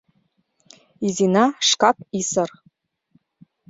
Изина шкак исыр».